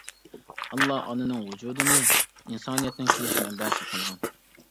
ئاللا ئانىنىڭ ۋۇجۇدىنى ئىنسانىيەتنىڭ كېلىش مەنبەسى قىلغان.